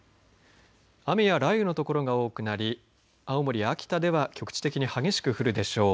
雨や雷雨のところが多くなり青森、秋田では局地的に激しく降るでしょう。